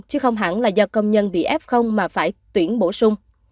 chứ không hẳn là do công nhân bị f mà phải tuyển bổ sung